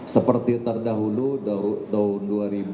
seperti terdahulu tahun dua ribu delapan belas